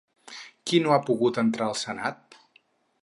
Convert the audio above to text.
Qui no ha pogut entrar al Senat?